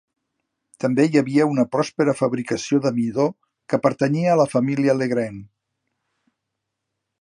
També hi havia una pròspera fabricació de midó que pertanyia a la família Legrain.